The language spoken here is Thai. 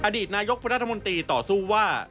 อดีตนายกรัฐมนตรีต่อสู้ว่า